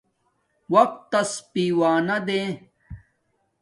وقت تس پیوان دے